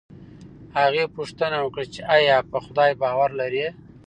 هغې پوښتنه وکړه چې ایا په خدای باور لرې